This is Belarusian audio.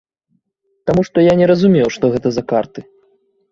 Таму што я не разумеў, што гэта за карты.